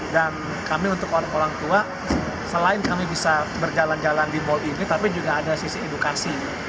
dan kami untuk orang tua selain kami bisa berjalan jalan di mal ini tapi juga ada sisi edukasi